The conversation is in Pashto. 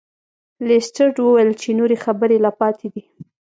لیسټرډ وویل چې نورې خبرې لا پاتې دي.